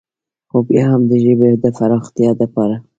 خو بيا هم د ژبې د فراختيا دپاره